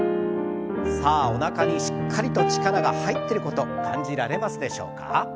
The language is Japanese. さあおなかにしっかりと力が入ってること感じられますでしょうか。